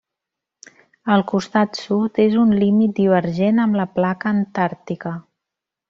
El costat sud és un límit divergent amb la placa antàrtica.